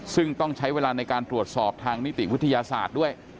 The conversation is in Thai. ซึ่งต้องใช้เวลาในการตรวจสอบทางนิติวิทยาศาสตร์ด้วย